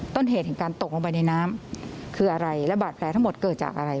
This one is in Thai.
ต้นเหตุของการตกออกร้องในน้ำคืออะไรหรือบาดแผลทั้งหมดเกิดจากอะไร